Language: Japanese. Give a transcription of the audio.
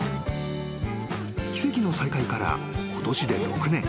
［奇跡の再会からことしで６年］